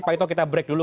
pak ito kita break dulu